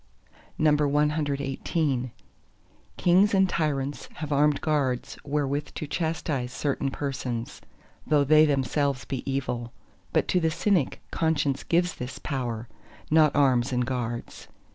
CXIX Kings and tyrants have armed guards wherewith to chastise certain persons, though they themselves be evil. But to the Cynic conscience gives this power—not arms and guards.